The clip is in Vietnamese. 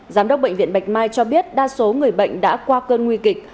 giám đốc bệnh viện bạch mai cho biết đa số người bệnh đã qua cơn nguy kịch